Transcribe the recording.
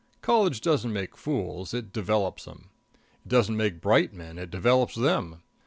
College doesn't make fools; it develops them. It doesn't make bright men; it develops them.